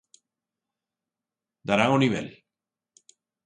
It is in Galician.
Darán o nivel?